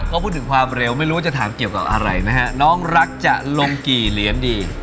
ก็พูดถึงความเร็วไม่รู้ว่าจะถามเกี่ยวกับอะไรนะฮะน้องรักจะลงกี่เหรียญดี